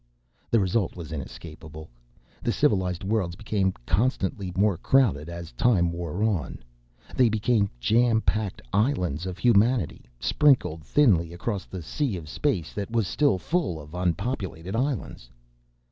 The result was inescapable. The civilized worlds became constantly more crowded as time wore on. They became jampacked islands of humanity sprinkled thinly across the sea of space that was still full of unpopulated islands.